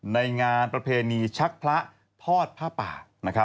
ในงานประเพณีชักพระทอดผ้าป่า